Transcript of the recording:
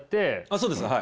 そうです。